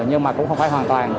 nhưng mà cũng không phải hoàn toàn